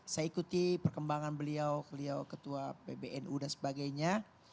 saya ikuti perkembangan beliau beliau ketua pbnu dan sebagainya